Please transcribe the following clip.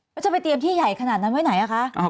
แล้วจะไปเตรียมที่ใหญ่ขนาดนั้นไว้ไหนอะคะ